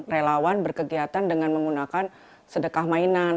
relawan berkegiatan dengan menggunakan sedekah mainan